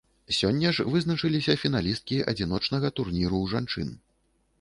Сёння ж вызначыліся фіналісткі адзіночнага турніру ў жанчын.